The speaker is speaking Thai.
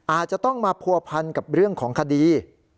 อาจจะต้องมาผัวพันกับเรื่องของคดี